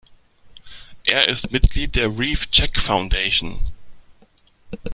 Er Ist Mitglied der Reef-Check-Foundation.